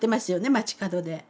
街角で。